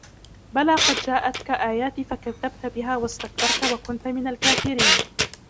بلى قد جاءتك آياتي فكذبت بها واستكبرت وكنت من الكافرين